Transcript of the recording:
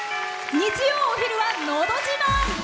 日曜お昼は「のど自慢」。